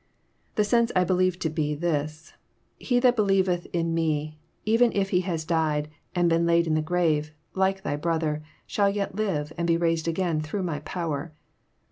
The sense I believe to be this :*» He that believes in Me, even if he has died, and been laid in the grave, like thy brother, shall yet live, and be raised again through my power.